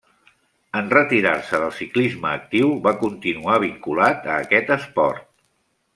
En retirar-se del ciclisme actiu va continuar vinculat a aquest esport.